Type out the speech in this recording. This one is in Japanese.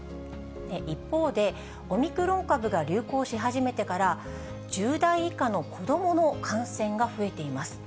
一方でオミクロン株が流行し始めてから、１０代以下の子どもの感染が増えています。